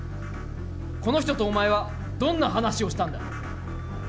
この人とお前はどんな話をしたんだ？